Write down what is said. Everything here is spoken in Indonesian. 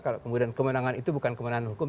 kalau kemudian kemenangan itu bukan kemenangan hukum